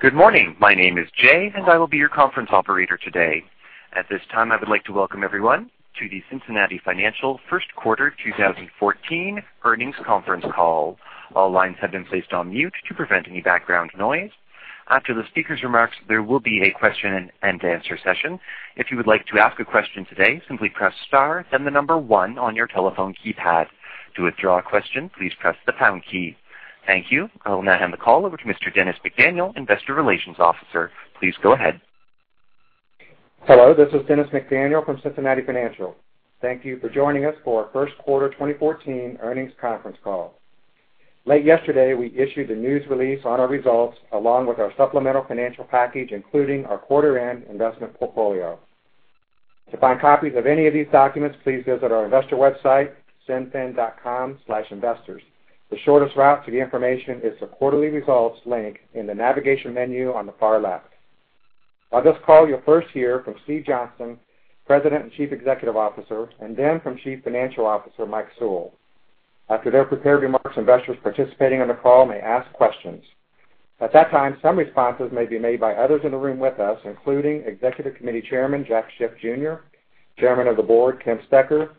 Good morning. My name is Jay, and I will be your conference operator today. At this time, I would like to welcome everyone to the Cincinnati Financial First Quarter 2014 Earnings Conference Call. All lines have been placed on mute to prevent any background noise. After the speaker's remarks, there will be a question-and-answer session. If you would like to ask a question today, simply press star then the number 1 on your telephone keypad. To withdraw a question, please press the pound key. Thank you. I will now hand the call over to Mr. Dennis McDaniel, Investor Relations Officer. Please go ahead. Hello, this is Dennis McDaniel from Cincinnati Financial. Thank you for joining us for our first quarter 2014 earnings conference call. Late yesterday, we issued a news release on our results along with our supplemental financial package, including our quarter-end investment portfolio. To find copies of any of these documents, please visit our investor website, investors.cinfin.com. The shortest route to the information is the Quarterly Results link in the navigation menu on the far left. On this call, you'll first hear from Steve Johnston, President and Chief Executive Officer, and then from Chief Financial Officer Mike Sewell. After their prepared remarks, investors participating on the call may ask questions. At that time, some responses may be made by others in the room with us, including Executive Committee Chairman Jack Schiff Jr., Chairman of the Board Ken Stecher,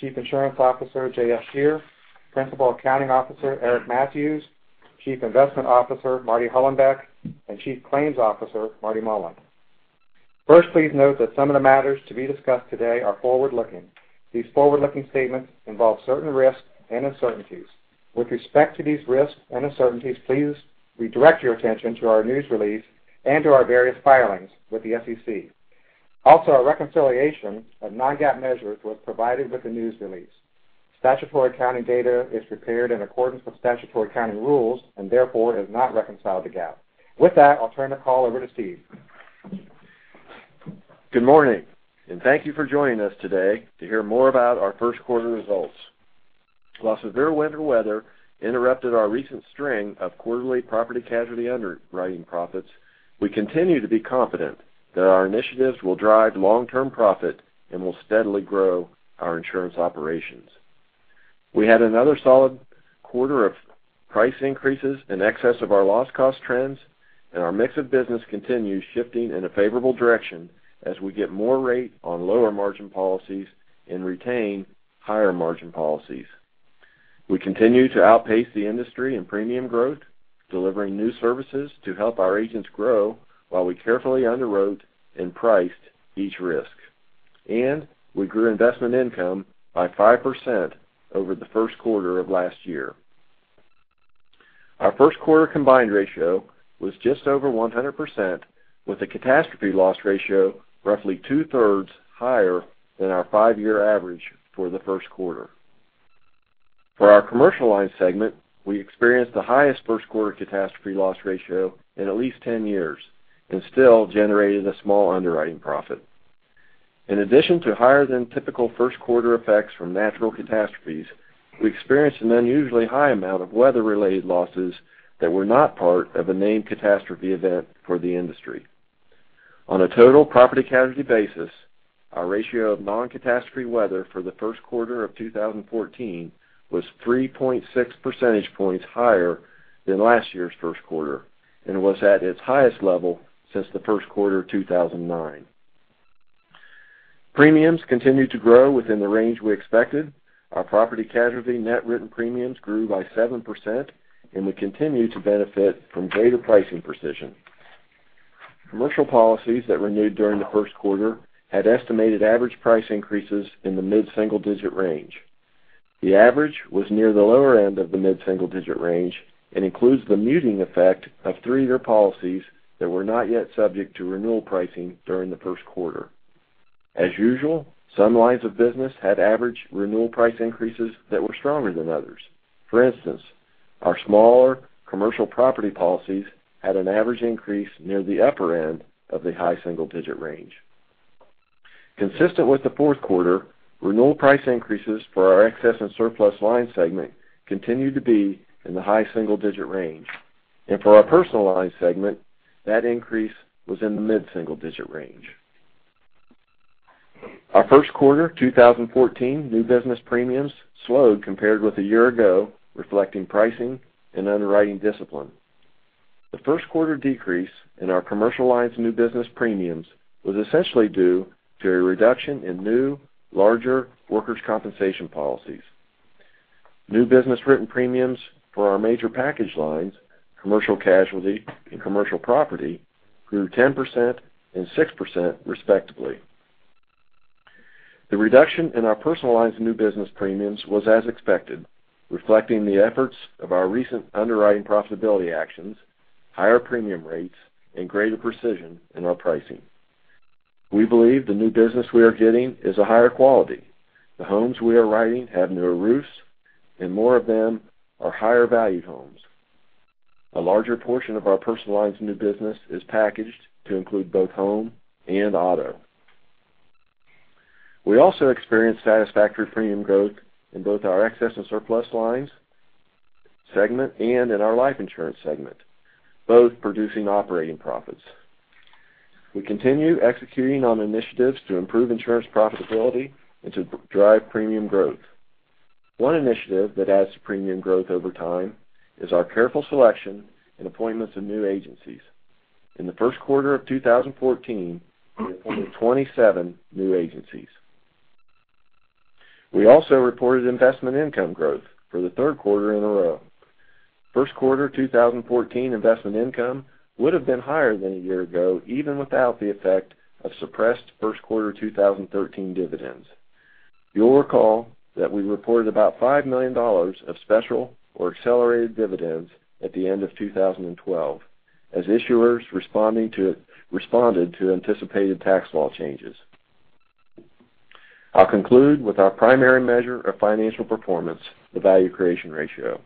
Chief Insurance Officer J.F. Scherer, Principal Accounting Officer Eric Mathews, Chief Investment Officer Marty Hollenbeck, and Chief Claims Officer Marty Mullen. First, please note that some of the matters to be discussed today are forward-looking. These forward-looking statements involve certain risks and uncertainties. With respect to these risks and uncertainties, please redirect your attention to our news release and to our various filings with the SEC. Also, our reconciliation of non-GAAP measures was provided with the news release. Statutory accounting data is prepared in accordance with statutory accounting rules and therefore is not reconciled to GAAP. With that, I'll turn the call over to Steve. Good morning. Thank you for joining us today to hear more about our first quarter results. While severe winter weather interrupted our recent string of quarterly property casualty underwriting profits, we continue to be confident that our initiatives will drive long-term profit and will steadily grow our insurance operations. We had another solid quarter of price increases in excess of our loss cost trends, and our mix of business continues shifting in a favorable direction as we get more rate on lower margin policies and retain higher margin policies. We continue to outpace the industry in premium growth, delivering new services to help our agents grow while we carefully underwrote and priced each risk. We grew investment income by 5% over the first quarter of last year. Our first quarter combined ratio was just over 100%, with a catastrophe loss ratio roughly two-thirds higher than our five-year average for the first quarter. For our commercial lines segment, we experienced the highest first-quarter catastrophe loss ratio in at least 10 years and still generated a small underwriting profit. In addition to higher than typical first quarter effects from natural catastrophes, we experienced an unusually high amount of weather-related losses that were not part of a named catastrophe event for the industry. On a total property casualty basis, our ratio of non-catastrophe weather for the first quarter of 2014 was 3.6 percentage points higher than last year's first quarter and was at its highest level since the first quarter of 2009. Premiums continued to grow within the range we expected. Our property casualty net written premiums grew by 7%, and we continue to benefit from greater pricing precision. Commercial policies that renewed during the first quarter had estimated average price increases in the mid-single digit range. The average was near the lower end of the mid-single digit range and includes the muting effect of three-year policies that were not yet subject to renewal pricing during the first quarter. As usual, some lines of business had average renewal price increases that were stronger than others. For instance, our smaller commercial property policies had an average increase near the upper end of the high single digit range. Consistent with the fourth quarter, renewal price increases for our excess and surplus lines segment continued to be in the high single digit range. For our personal lines segment, that increase was in the mid-single digit range. Our first quarter 2014 new business premiums slowed compared with a year ago, reflecting pricing and underwriting discipline. The first quarter decrease in our commercial lines new business premiums was essentially due to a reduction in new, larger workers' compensation policies. New business written premiums for our major package lines, commercial casualty and commercial property, grew 10% and 6% respectively. The reduction in our personal lines new business premiums was as expected, reflecting the efforts of our recent underwriting profitability actions, higher premium rates, and greater precision in our pricing. We believe the new business we are getting is of higher quality. The homes we are writing have newer roofs, and more of them are higher valued homes. A larger portion of our personal lines new business is packaged to include both home and auto. We also experienced satisfactory premium growth in both our excess and surplus lines segment and in our life insurance segment, both producing operating profits. We continue executing on initiatives to improve insurance profitability and to drive premium growth. One initiative that adds to premium growth over time is our careful selection in appointments of new agencies. In the first quarter of 2014, we appointed 27 new agencies. We also reported investment income growth for the third quarter in a row. First quarter 2014 investment income would've been higher than a year ago, even without the effect of suppressed first quarter 2013 dividends. You'll recall that we reported about $5 million of special or accelerated dividends at the end of 2012, as issuers responded to anticipated tax law changes. I'll conclude with our primary measure of financial performance, the value creation ratio.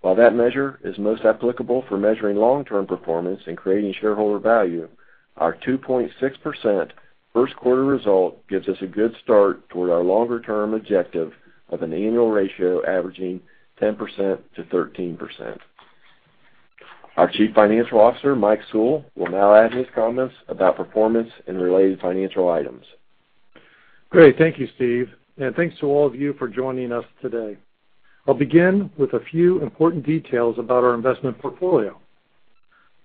While that measure is most applicable for measuring long-term performance and creating shareholder value, our 2.6% first quarter result gives us a good start toward our longer-term objective of an annual ratio averaging 10%-13%. Our Chief Financial Officer, Mike Sewell, will now add his comments about performance and related financial items. Great. Thank you, Steve, thanks to all of you for joining us today. I'll begin with a few important details about our investment portfolio.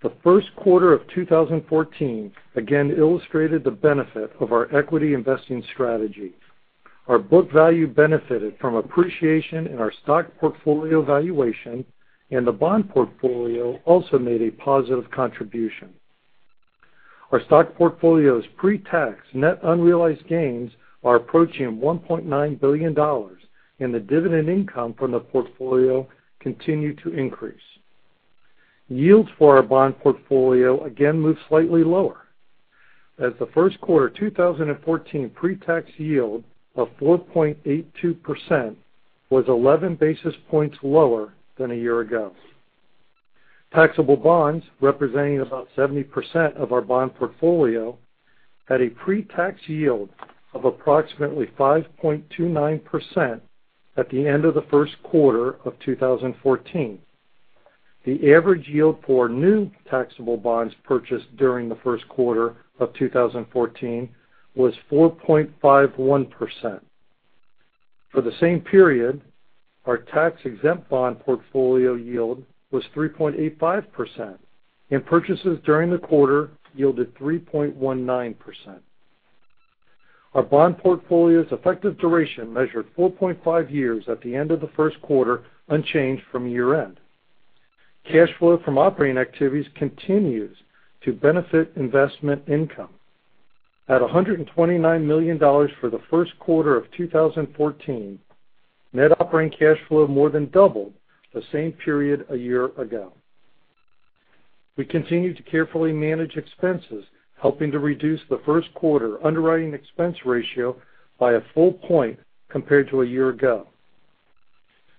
The first quarter of 2014 again illustrated the benefit of our equity investing strategy. Our book value benefited from appreciation in our stock portfolio valuation, and the bond portfolio also made a positive contribution. Our stock portfolio's pretax net unrealized gains are approaching $1.9 billion, and the dividend income from the portfolio continued to increase. Yields for our bond portfolio again moved slightly lower, as the first quarter 2014 pretax yield of 4.82% was 11 basis points lower than a year ago. Taxable bonds, representing about 70% of our bond portfolio, had a pretax yield of approximately 5.29% at the end of the first quarter of 2014. The average yield for new taxable bonds purchased during the first quarter of 2014 was 4.51%. For the same period, our tax-exempt bond portfolio yield was 3.85%, purchases during the quarter yielded 3.19%. Our bond portfolio's effective duration measured 4.5 years at the end of the first quarter, unchanged from year-end. Cash flow from operating activities continues to benefit investment income. At $129 million for the first quarter of 2014, net operating cash flow more than doubled the same period a year ago. We continued to carefully manage expenses, helping to reduce the first quarter underwriting expense ratio by a full point compared to a year ago.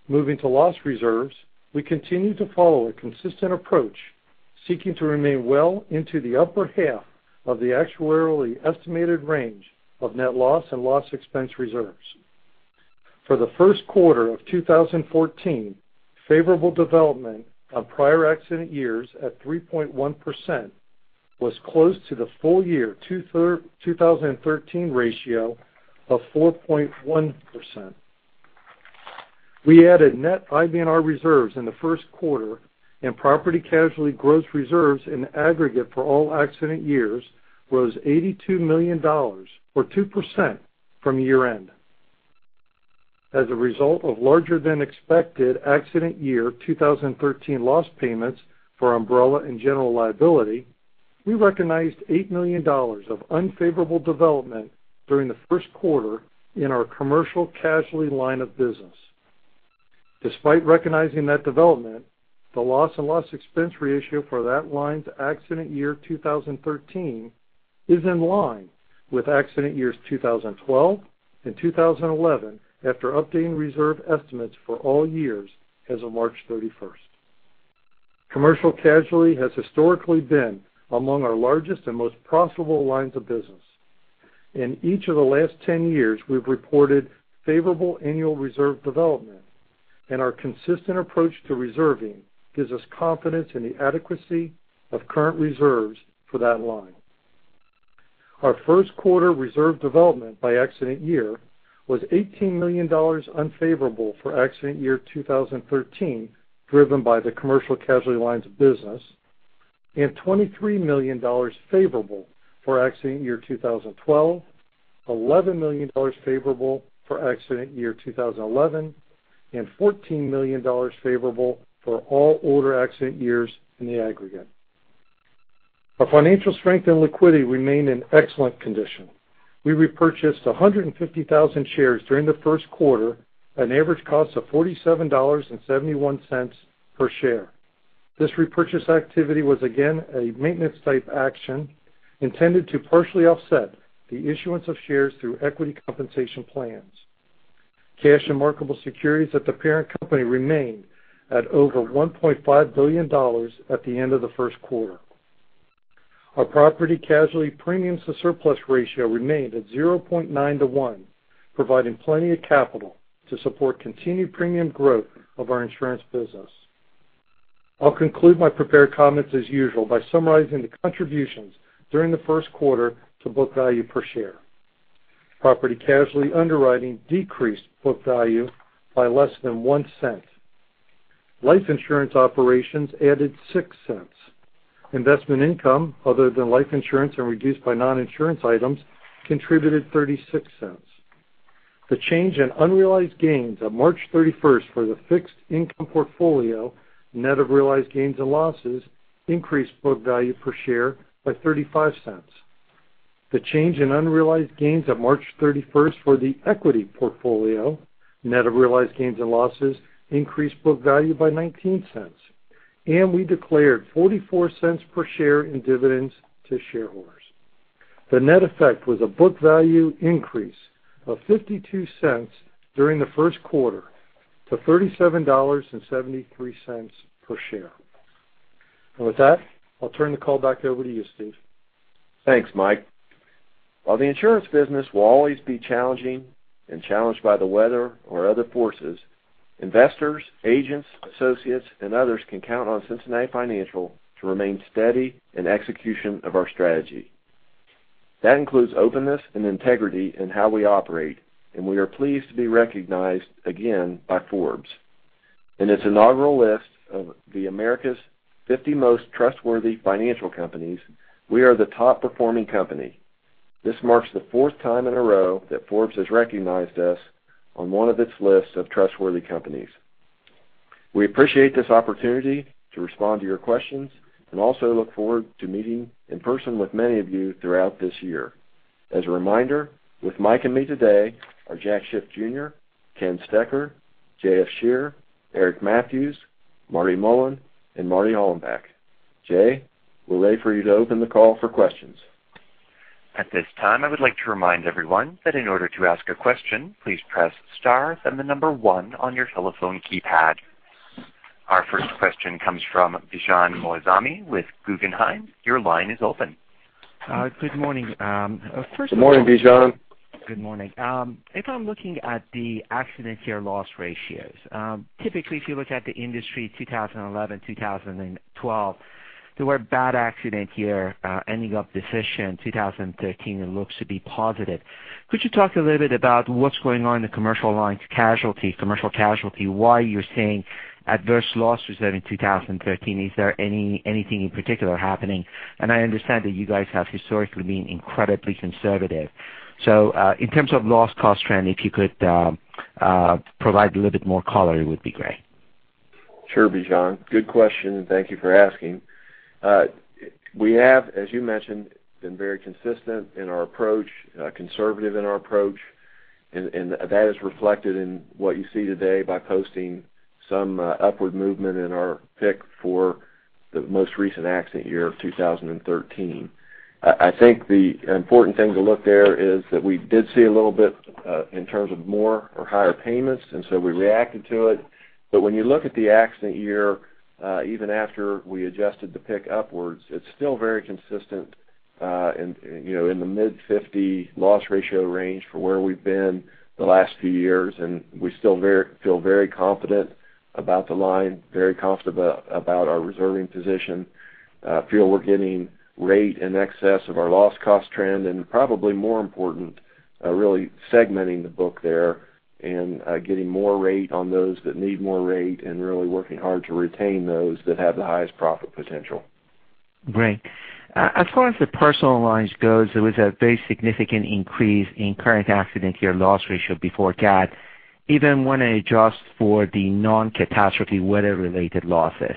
Moving to loss reserves, we continue to follow a consistent approach, seeking to remain well into the upper half of the actuarially estimated range of net loss and loss expense reserves. For the first quarter of 2014, favorable development on prior accident years at 3.1% was close to the full year 2013 ratio of 4.1%. We added net IBNR reserves in the first quarter, property-casualty gross reserves in aggregate for all accident years was $82 million, or 2% from year-end. As a result of larger than expected accident year 2013 loss payments for umbrella and general liability, we recognized $8 million of unfavorable development during the first quarter in our commercial casualty line of business. Despite recognizing that development, the loss and loss expense ratio for that line's accident year 2013 is in line with accident years 2012 and 2011 after updating reserve estimates for all years as of March 31st. Commercial casualty has historically been among our largest and most profitable lines of business. In each of the last 10 years, we've reported favorable annual reserve development, and our consistent approach to reserving gives us confidence in the adequacy of current reserves for that line. Our first quarter reserve development by accident year was $18 million unfavorable for accident year 2013, driven by the commercial casualty lines of business. $23 million favorable for accident year 2012, $11 million favorable for accident year 2011, $14 million favorable for all older accident years in the aggregate. Our financial strength and liquidity remain in excellent condition. We repurchased 150,000 shares during the first quarter at an average cost of $47.71 per share. This repurchase activity was again a maintenance type action intended to partially offset the issuance of shares through equity compensation plans. Cash and marketable securities at the parent company remain at over $1.5 billion at the end of the first quarter. Our property casualty premiums to surplus ratio remained at 0.9 to one, providing plenty of capital to support continued premium growth of our insurance business. I'll conclude my prepared comments as usual by summarizing the contributions during the first quarter to book value per share. Property casualty underwriting decreased book value by less than $0.01. Life insurance operations added $0.06. Investment income other than life insurance and reduced by non-insurance items contributed $0.36. The change in unrealized gains on March 31st for the fixed income portfolio, net of realized gains and losses, increased book value per share by $0.35. The change in unrealized gains on March 31st for the equity portfolio, net of realized gains and losses, increased book value by $0.19. We declared $0.44 per share in dividends to shareholders. The net effect was a book value increase of $0.52 during the first quarter to $37.73 per share. With that, I'll turn the call back over to you, Steve. Thanks, Mike. While the insurance business will always be challenging and challenged by the weather or other forces, investors, agents, associates, and others can count on Cincinnati Financial to remain steady in execution of our strategy. That includes openness and integrity in how we operate. We are pleased to be recognized again by Forbes. In its inaugural list of the America's 50 Most Trustworthy Financial Companies, we are the top-performing company. This marks the fourth time in a row that Forbes has recognized us on one of its lists of trustworthy companies. We appreciate this opportunity to respond to your questions and also look forward to meeting in person with many of you throughout this year. As a reminder, with Mike and me today are Jack Schiff Jr., Ken Stecher, J.F. Scherer, Eric Mathews, Marty Mullen, Marty Hollenbeck. Jay, we're ready for you to open the call for questions. At this time, I would like to remind everyone that in order to ask a question, please press star, then the number 1 on your telephone keypad. Our first question comes from Bijan Moazami with Guggenheim. Your line is open. Good morning. Good morning, Bijan. Good morning. If I'm looking at the accident year loss ratios, typically if you look at the industry 2011, 2012, there were bad accident year ending up decision, 2013 looks to be positive. Could you talk a little bit about what's going on in the commercial casualty, why you're seeing adverse loss reserve in 2013? Is there anything in particular happening? I understand that you guys have historically been incredibly conservative. In terms of loss cost trend, if you could provide a little bit more color, it would be great. Sure, Bijan. Good question, and thank you for asking. We have, as you mentioned, been very consistent in our approach, conservative in our approach, and that is reflected in what you see today by posting some upward movement in our pick for the most recent accident year of 2013. I think the important thing to look there is that we did see a little bit in terms of more or higher payments, and so we reacted to it. When you look at the accident year, even after we adjusted the pick upwards, it's still very consistent in the mid-50 loss ratio range for where we've been the last few years, and we still feel very confident about the line, very confident about our reserving position. I feel we're getting rate in excess of our loss cost trend, and probably more important, really segmenting the book there and getting more rate on those that need more rate and really working hard to retain those that have the highest profit potential. Great. As far as the personal lines goes, there was a very significant increase in current accident year loss ratio before CAT, even when adjusted for the non-catastrophe weather-related losses.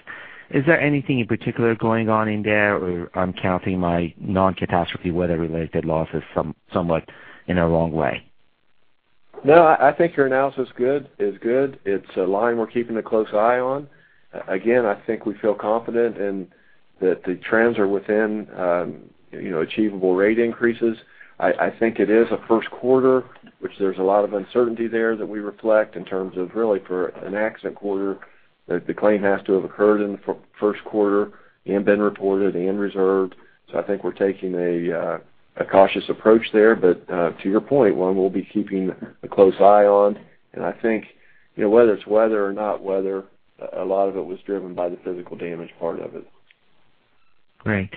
Is there anything in particular going on in there, or I'm counting my non-catastrophe weather-related losses somewhat in a wrong way? I think your analysis is good. It's a line we're keeping a close eye on. I think we feel confident and that the trends are within achievable rate increases. I think it is a first quarter, which there's a lot of uncertainty there that we reflect in terms of really for an accident quarter, that the claim has to have occurred in the first quarter and been reported and reserved. I think we're taking a cautious approach there. To your point, one we'll be keeping a close eye on, and I think whether it's weather or not weather, a lot of it was driven by the physical damage part of it. Great.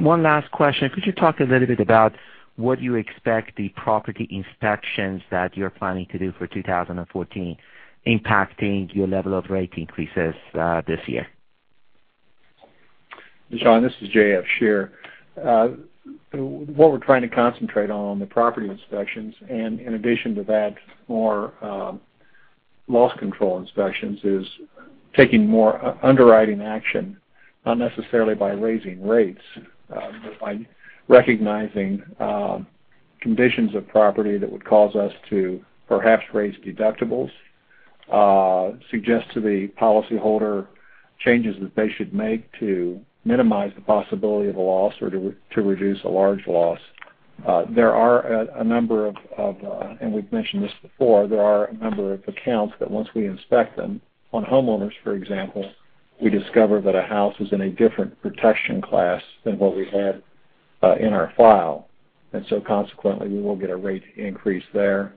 One last question. Could you talk a little bit about what you expect the property inspections that you're planning to do for 2014 impacting your level of rate increases this year? Bijan, this is J.F. Scherer. What we're trying to concentrate on the property inspections, and in addition to that, more loss control inspections, is taking more underwriting action, not necessarily by raising rates, but by recognizing conditions of property that would cause us to perhaps raise deductibles, suggest to the policyholder changes that they should make to minimize the possibility of a loss or to reduce a large loss. There are a number of, and we've mentioned this before, there are a number of accounts that once we inspect them on homeowners, for example, we discover that a house is in a different protection class than what we had in our file. Consequently, we will get a rate increase there.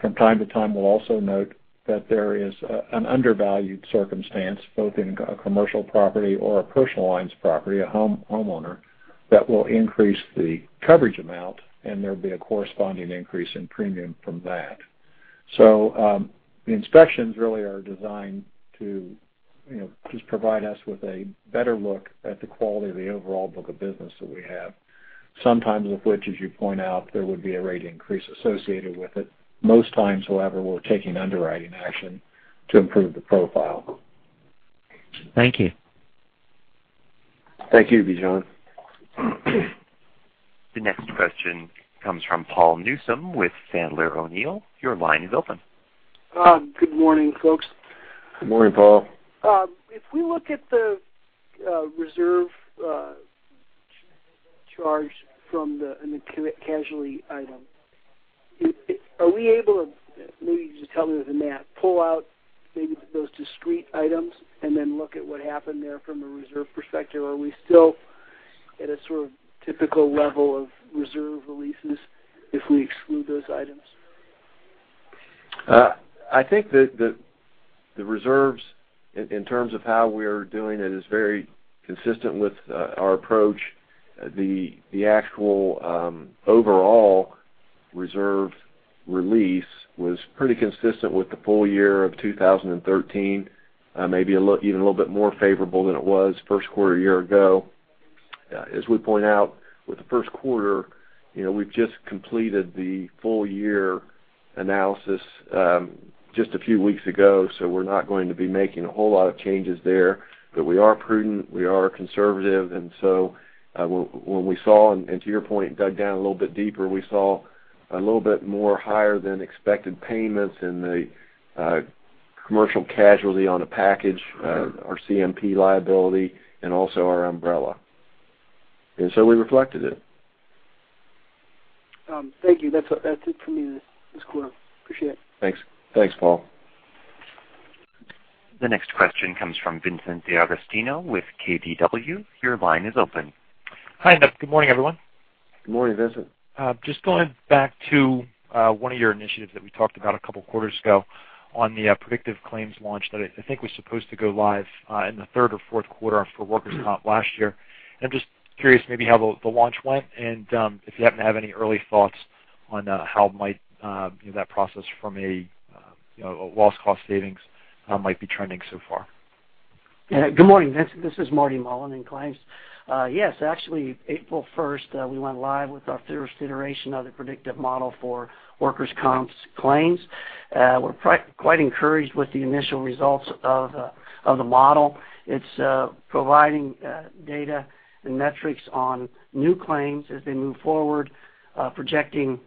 From time to time, we'll also note that there is an undervalued circumstance, both in a commercial property or a personal lines property, a homeowner, that will increase the coverage amount, and there'll be a corresponding increase in premium from that. The inspections really are designed to just provide us with a better look at the quality of the overall book of business that we have. Sometimes of which, as you point out, there would be a rate increase associated with it. Most times, however, we're taking underwriting action to improve the profile. Thank you. Thank you, Bijan. The next question comes from Paul Newsome with Sandler O'Neill. Your line is open. Good morning, folks. Good morning, Paul. If we look at the reserve charge from the casualty item, are we able, maybe you just tell me the math, pull out maybe those discrete items and then look at what happened there from a reserve perspective? Are we still at a sort of typical level of reserve releases if we exclude those items? I think that the reserves, in terms of how we're doing it, is very consistent with our approach. The actual overall reserve release was pretty consistent with the full year of 2013, maybe even a little bit more favorable than it was first quarter a year ago. As we point out, with the first quarter, we've just completed the full-year analysis just a few weeks ago, we're not going to be making a whole lot of changes there. We are prudent, we are conservative, and so when we saw, and to your point, dug down a little bit deeper, we saw a little bit more higher than expected payments in the commercial casualty on a package, our CMP liability, and also our umbrella. We reflected it. Thank you. That's it for me this quarter. Appreciate it. Thanks. Thanks, Paul. The next question comes from Vincent D'Agostino with KBW. Your line is open. Hi, good morning, everyone. Good morning, Vincent. Just going back to one of your initiatives that we talked about a couple quarters ago on the Predictive Claims Launch that I think was supposed to go live in the third or fourth quarter for workers' comp last year. I'm just curious maybe how the launch went and if you happen to have any early thoughts on how that process from a loss cost savings might be trending so far. Good morning, Vincent D'Agostino. This is Martin J. Mullen in claims. Yes, actually, April 1st, we went live with our first iteration of the predictive model for workers' comp claims. We are quite encouraged with the initial results of the model. It is providing data and metrics on new claims as they move forward, projecting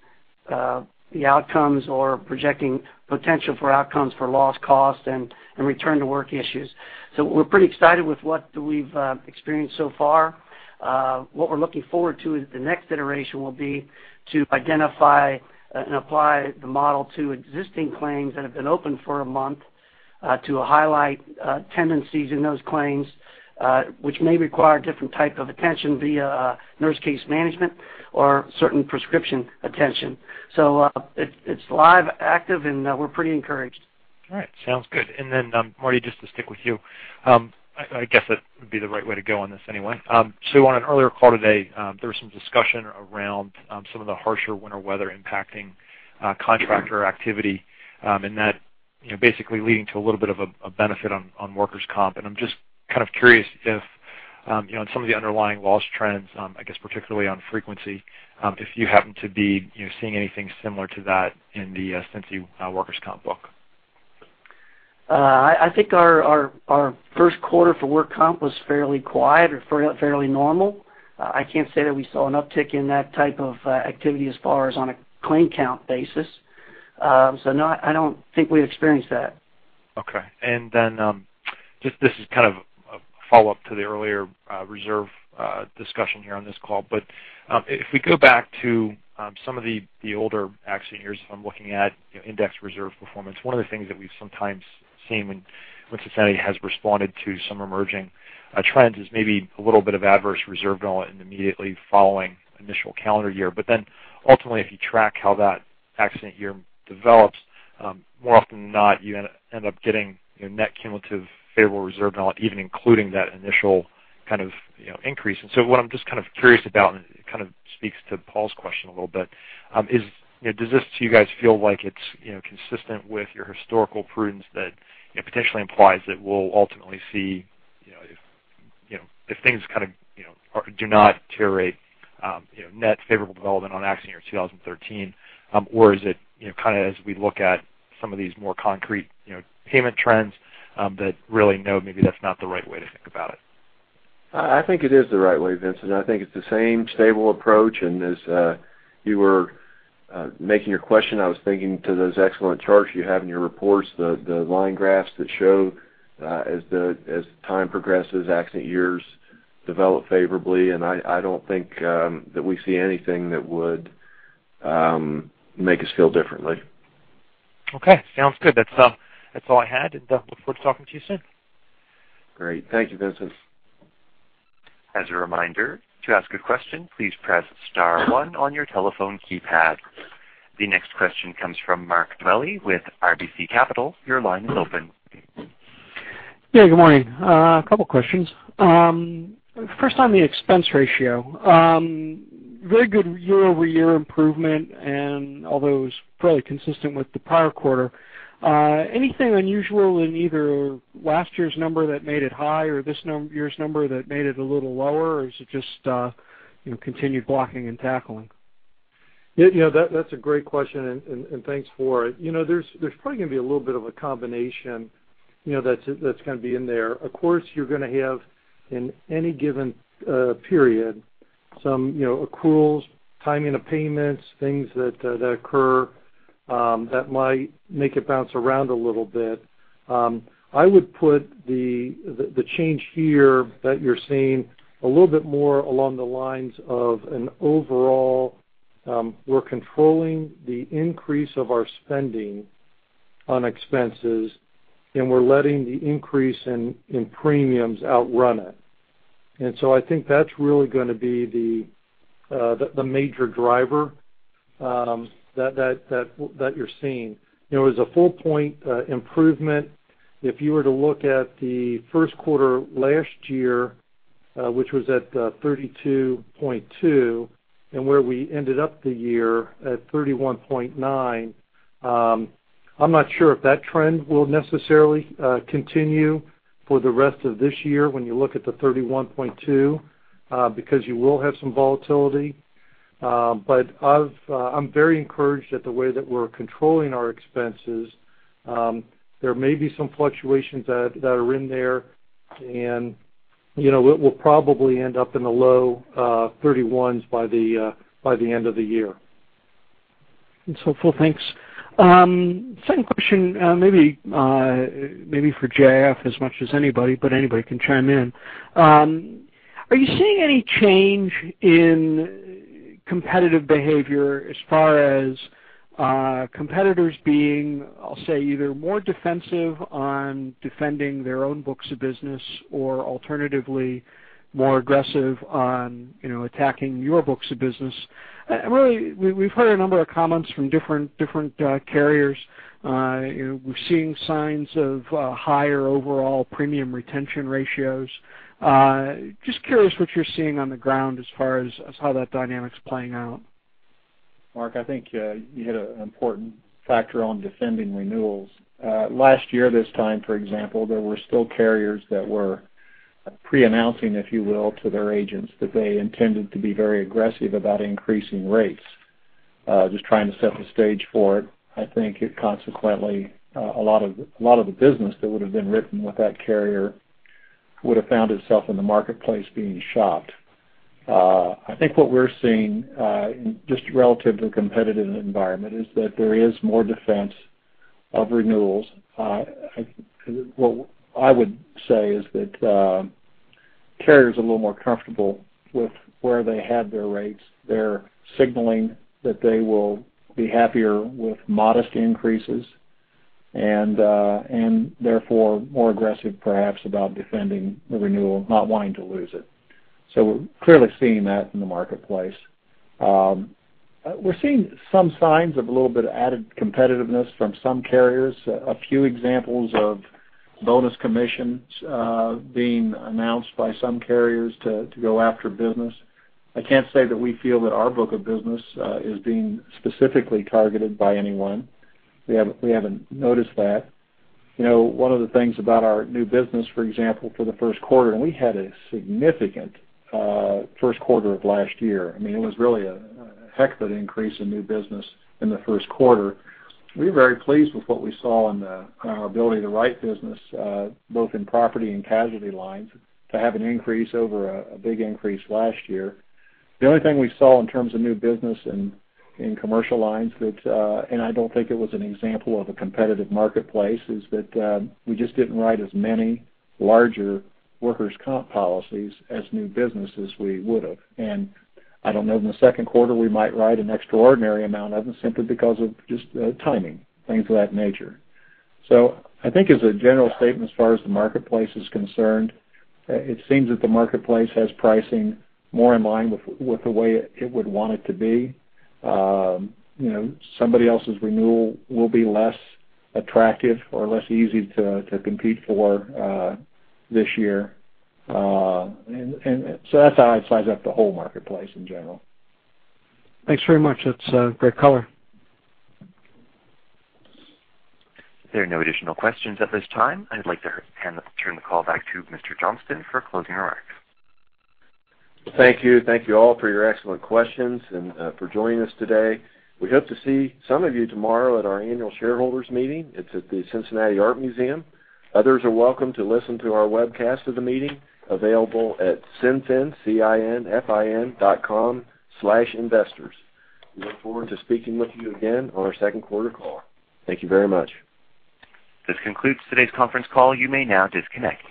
the outcomes or projecting potential for outcomes for loss cost and return to work issues. We are pretty excited with what we have experienced so far. What we are looking forward to is the next iteration will be to identify and apply the model to existing claims that have been open for a month to highlight tendencies in those claims, which may require different type of attention via nurse case management or certain prescription attention. It is live, active, and we are pretty encouraged. All right, sounds good. Martin J. Mullen, just to stick with you, I guess that would be the right way to go on this anyway. On an earlier call today, there was some discussion around some of the harsher winter weather impacting contractor activity and that basically leading to a little bit of a benefit on workers' comp. I am just kind of curious if on some of the underlying loss trends, I guess particularly on frequency, if you happen to be seeing anything similar to that in the Cincy workers' comp book. I think our first quarter for work comp was fairly quiet or fairly normal. I cannot say that we saw an uptick in that type of activity as far as on a claim count basis. No, I do not think we have experienced that. Okay, this is kind of a follow-up to the earlier reserve discussion here on this call. If we go back to some of the older accident years, I am looking at indicated reserve performance, one of the things that we have sometimes seen when Cincinnati Financial Corporation has responded to some emerging trends is maybe a little bit of adverse reserve going in immediately following initial calendar year. Ultimately, if you track how that accident year develops, more often than not, you end up getting net cumulative favorable reserve, even including that initial increase. What I am just kind of curious about, and it kind of speaks to Paul Newsome's question a little bit, does this to you guys feel like it is consistent with your historical prudence that potentially implies that we will ultimately see if things do not deteriorate net favorable development on accident year 2013? Is it as we look at some of these more concrete payment trends that really, no, maybe that's not the right way to think about it? I think it is the right way, Vincent. I think it's the same stable approach. As you were making your question, I was thinking to those excellent charts you have in your reports, the line graphs that show as time progresses, accident years develop favorably. I don't think that we see anything that would make us feel differently. Okay, sounds good. That's all I had, and look forward to talking to you soon. Great. Thank you, Vincent. As a reminder, to ask a question, please press *1 on your telephone keypad. The next question comes from Mark Dwelle with RBC Capital. Your line is open. Yeah, good morning. A couple questions. First on the expense ratio. Very good year-over-year improvement, and although it was probably consistent with the prior quarter. Anything unusual in either last year's number that made it high or this year's number that made it a little lower, or is it just continued blocking and tackling? That's a great question, and thanks for it. There's probably going to be a little bit of a combination that's going to be in there. Of course, you're going to have, in any given period, some accruals, timing of payments, things that occur that might make it bounce around a little bit. I would put the change here that you're seeing a little bit more along the lines of an overall, we're controlling the increase of our spending on expenses, and we're letting the increase in premiums outrun it. I think that's really going to be the major driver that you're seeing. It was a full point improvement. If you were to look at the first quarter last year, which was at 32.2%, and where we ended up the year at 31.9%, I'm not sure if that trend will necessarily continue for the rest of this year when you look at the 31.2%, because you will have some volatility. I'm very encouraged at the way that we're controlling our expenses. There may be some fluctuations that are in there, and we'll probably end up in the low 31s% by the end of the year. That's helpful. Thanks. Second question, maybe for J.F. as much as anybody, but anybody can chime in. Are you seeing any change in competitive behavior as far as competitors being, I'll say, either more defensive on defending their own books of business or alternatively, more aggressive on attacking your books of business? We've heard a number of comments from different carriers. We're seeing signs of higher overall premium retention ratios. Just curious what you're seeing on the ground as far as how that dynamic's playing out. Mark, I think you hit an important factor on defending renewals. Last year this time, for example, there were still carriers that were pre-announcing, if you will, to their agents that they intended to be very aggressive about increasing rates. Just trying to set the stage for it. Consequently, a lot of the business that would've been written with that carrier would've found itself in the marketplace being shopped. I think what we're seeing, just relative to the competitive environment, is that there is more defense of renewals. What I would say is that carriers are a little more comfortable with where they had their rates. They're signaling that they will be happier with modest increases and therefore more aggressive, perhaps, about defending the renewal, not wanting to lose it. We're clearly seeing that in the marketplace. We're seeing some signs of a little bit of added competitiveness from some carriers. A few examples of bonus commissions being announced by some carriers to go after business. I can't say that we feel that our book of business is being specifically targeted by anyone. We haven't noticed that. One of the things about our new business, for example, for the first quarter, we had a significant first quarter of last year. It was really a heck of an increase in new business in the first quarter. We were very pleased with what we saw in our ability to write business, both in property and casualty lines, to have an increase over a big increase last year. The only thing we saw in terms of new business in commercial lines that, I don't think it was an example of a competitive marketplace, is that we just didn't write as many larger workers' comp policies as new business as we would've. I don't know, in the second quarter, we might write an extraordinary amount of them simply because of just timing, things of that nature. I think as a general statement, as far as the marketplace is concerned, it seems that the marketplace has pricing more in line with the way it would want it to be. Somebody else's renewal will be less attractive or less easy to compete for this year. That's how I'd size up the whole marketplace in general. Thanks very much. That's great color. There are no additional questions at this time. I'd like to hand turn the call back to Mr. Johnston for closing remarks. Thank you. Thank you all for your excellent questions and for joining us today. We hope to see some of you tomorrow at our annual shareholders meeting. It's at the Cincinnati Art Museum. Others are welcome to listen to our webcast of the meeting available at CinFin, cinfin.com/investors. We look forward to speaking with you again on our second quarter call. Thank you very much. This concludes today's conference call. You may now disconnect.